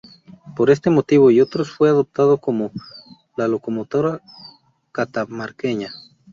Por este motivo y otros fue apodado como "La locomotora catamarqueña".